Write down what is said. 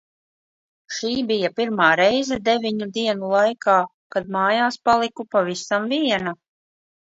Šī bija pirmā reize deviņu dienu laikā, kad mājās paliku pavisam viena.